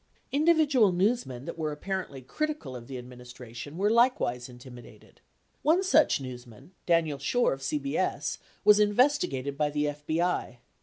Individual newsmen that were apparently critical of the administra tion were likewise intimidated. One such newsman, Daniel Schorr of CBS, was investigated by the FBI.